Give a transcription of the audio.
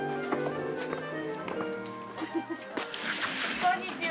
こんにちは。